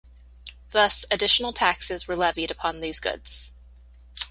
Thus, additional taxes were levied upon these goods.